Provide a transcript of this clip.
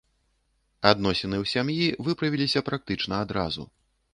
Адносіны ў сям'і выправіліся практычна адразу.